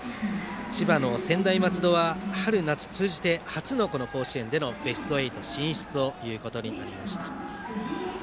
千葉の専大松戸は春夏通じて初の甲子園でのベスト８進出となりました。